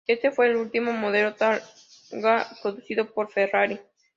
Este fue el último modelo Targa producido por Ferrari.